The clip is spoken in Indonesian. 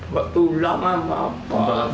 terus saya suka pergi maling